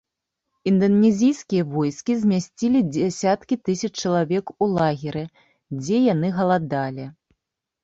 Інданезійскія войскі змясцілі дзясяткі тысяч чалавек у лагеры, дзе яны галадалі.